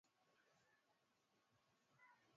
kapero mimi napenda nikushukuru sana